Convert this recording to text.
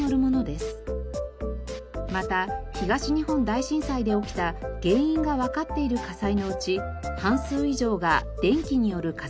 また東日本大震災で起きた原因がわかっている火災のうち半数以上が電気による火災です。